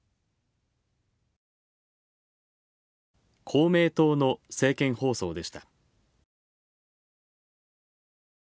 公明党の政見放送でした。